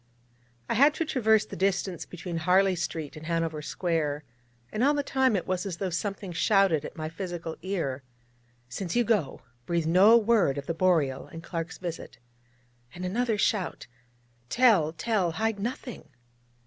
I had to traverse the distance between Harley Street and Hanover Square, and all the time it was as though something shouted at my physical ear: 'Since you go, breathe no word of the Boreal, and Clark's visit'; and another shout: 'Tell, tell, hide nothing!'